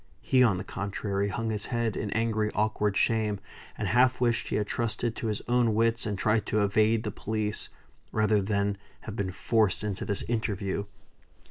He, on the contrary, hung his head in angry, awkward shame; and half wished he had trusted to his own wits, and tried to evade the police, rather than have been forced into this interview.